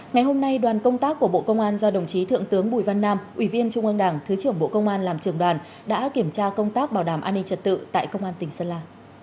ngày hôm nay đoàn công tác của bộ công an do đồng chí thượng tướng bùi văn nam ủy viên trung ương đảng thứ trưởng bộ công an làm trường đoàn đã kiểm tra công tác bảo đảm an ninh trật tự tại công an tỉnh sơn la